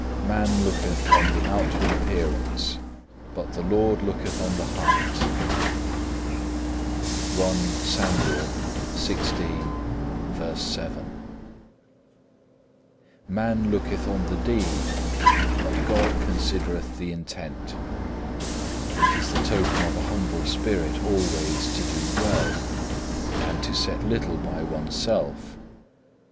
Man looketh on the outward appearance, but the Lord looketh on the heart:(2) man looketh on the deed, but God considereth the intent. It is the token of a humble spirit always to do well, and to set little by oneself.